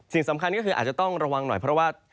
สิ่งสำคัญก็คืออาจจะต้องระวังหน่อยเพราะว่า